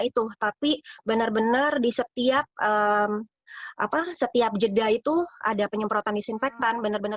itu tapi bener bener di setiap apa setiap jeda itu ada penyemprotan disinfektan bener bener